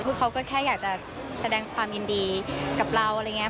คือเขาก็แค่อยากจะแสดงความยินดีกับเราอะไรอย่างนี้